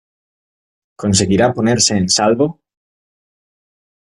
¿ conseguirá ponerse en salvo?